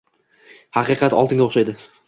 Haqiqat oltinga o‘xshaydi.